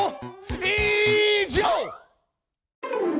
以上！